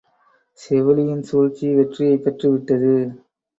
செவிலியின் சூழ்ச்சி வெற்றியைப் பெற்று விட்டது.